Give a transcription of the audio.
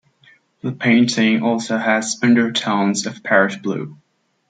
The painting also has undertones of Parrish blue.